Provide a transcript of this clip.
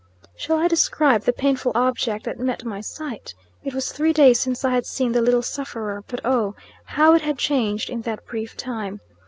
Shall I describe the painful object that met my sight? It was three days since I had seen the little sufferer; but, oh! how it had changed in that brief time.